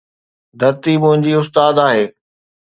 ڌرتي منهنجي استاد آهي